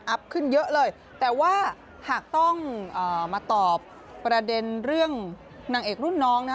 ขึ้นเยอะเลยแต่ว่าหากต้องมาตอบประเด็นเรื่องนางเอกรุ่นน้องนะ